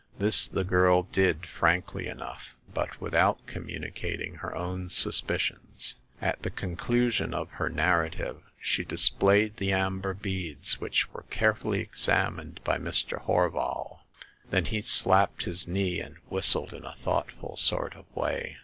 This the girl did frankly enough, but with out communicating her own suspicions. At the conclusion of her narrative she displayed the amber beads, which were carefully examined by Mr. Horval. Then he slapped his knee, and whistled in a thoughtful sort of way.